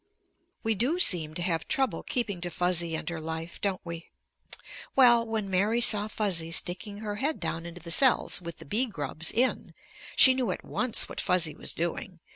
We do seem to have trouble keeping to Fuzzy and her life, don't we? Well, when Mary saw Fuzzy sticking her head down into the cells with the bee grubs in, she knew at once what Fuzzy was doing.